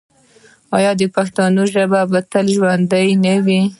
آیا د پښتنو ژبه به تل ژوندی نه وي؟